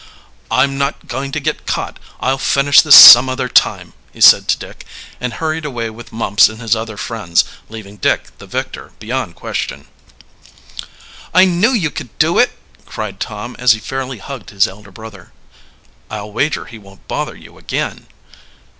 "I'm not going to be caught I'll finish this some other time," he said to Dick, and hurried away with Mumps and his other friends, leaving Dick the victor beyond question. "I knew you could do it!" cried Tom, as he fairly hugged his elder brother. "I'll wager he won't bother you again."